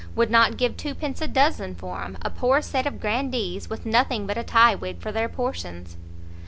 would not give twopence a dozen for 'em! A poor set of grandees, with nothing but a tie wig for their portions!"